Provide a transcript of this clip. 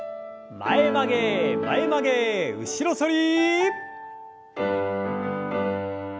前曲げ前曲げ後ろ反り。